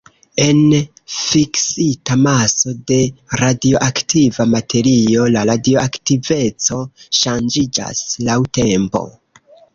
En fiksita maso de radioaktiva materio, la radioaktiveco ŝanĝiĝas laŭ tempo.